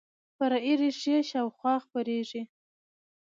فرعي ریښې شاوخوا خپریږي